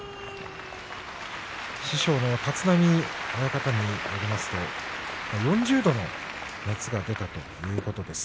師匠の立浪親方によりますと４０度の熱が出たということです。